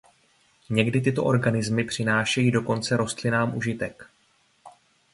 Někdy tyto organismy přinášejí dokonce rostlinám užitek.